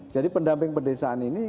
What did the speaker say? jadi pendamping perdesaan ini